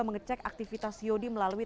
mengecek aktivitas yodi melalui